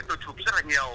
tôi chụp rất là nhiều